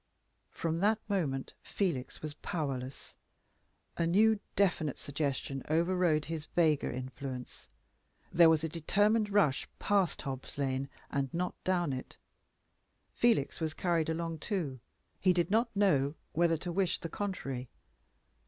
From that moment Felix was powerless; a new definite suggestion overrode his vaguer influence. There was a determined rush past Hobb's Lane, and not down it. Felix was carried along too. He did not know whether to wish the contrary.